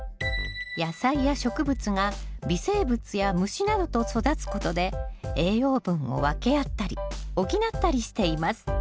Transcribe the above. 野菜や植物が微生物や虫などと育つことで栄養分を分け合ったり補ったりしています